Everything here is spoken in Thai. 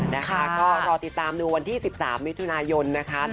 นะคะก็รอติดตามดูวันที่๑๓มิถุนายนนะคะ